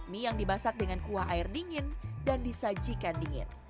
mie yang dimasak dengan kuah air dingin dan disajikan dingin